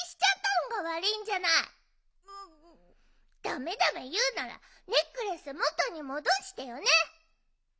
ダメダメいうならネックレスもとにもどしてよね！